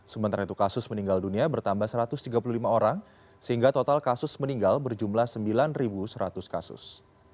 sementara itu kasus meninggal dunia bertambah satu ratus tiga puluh lima orang sehingga total kasus meninggal berjumlah sembilan seratus kasus